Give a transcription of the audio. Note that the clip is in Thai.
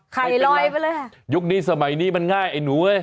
ไข่ลอยไปเลยค่ะยุคนี้สมัยนี้มันง่ายไอ้หนูเอ้ย